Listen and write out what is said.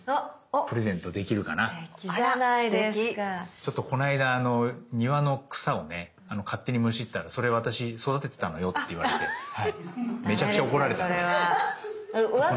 ちょっとこの間庭の草をね勝手にむしったら「それ私育ててたのよ」って言われてめちゃくちゃ怒られたんで。